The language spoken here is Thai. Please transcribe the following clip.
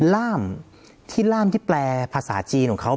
ร่ามที่แปลภาษาจีนของเขา